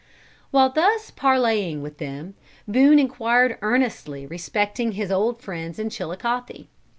"While thus parleying with them, Boone inquired earnestly respecting his old friends in Chilicothe.